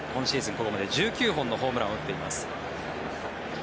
ここまで１９本のホームランを打っています。